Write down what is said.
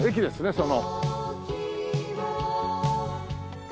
その。